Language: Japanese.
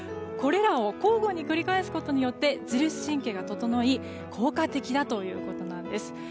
これらを交互に繰り返すことによって自律神経が整い効果的だということなんです。